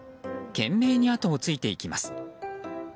懸命にあとをついていきます。